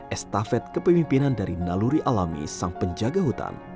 estafet kepemimpinan dari naluri alami sang penjaga hutan